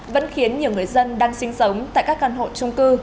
vẫn khiến nhiều người dân đang sinh sống tại các căn hộ trung cư